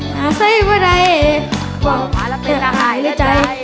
หาใส่เบอร์ใดว่ามาแล้วเป็นจะหายแล้วใจ